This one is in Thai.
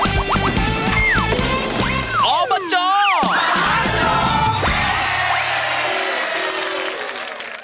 เอาบัตรเจ้า